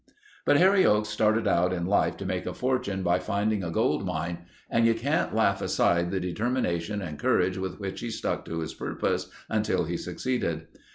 But Harry Oakes started out in life to make a fortune by finding a gold mine and you can't laugh aside the determination and courage with which he stuck to his purpose until he succeeded.